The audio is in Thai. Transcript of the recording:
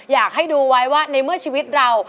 อยากให้ดูไว้ว่าในเมื่อชีวิตเรา